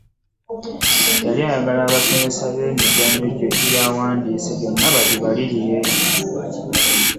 Yali ayagala abasomesa be emizannyo gy’awandiise gyonna bagibalirire.